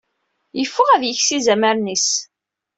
Yeffeɣ ad yeks izamaren-is.